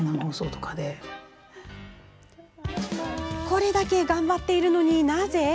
これだけ頑張っているのになぜ？